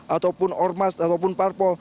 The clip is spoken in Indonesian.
ataupun ormas ataupun parpol